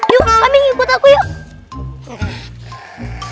yuk ikut aku yuk